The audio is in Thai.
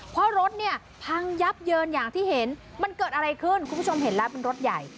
เพราะรถเนี่ยพังยับเยินอย่างที่เห็นมันเกิดอะไรขึ้นคุณผู้ชมเห็นแล้วเป็นรถใหญ่